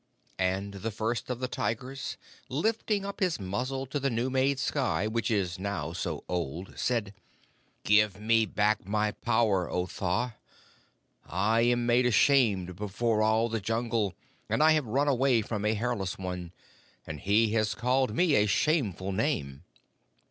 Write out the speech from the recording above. And the First of the Tigers, lifting up his muzzle to the new made sky, which is now so old, said: 'Give me back my power, O Tha. I am made ashamed before all the Jungle, and I have run away from a Hairless One, and he has called me a shameful name.'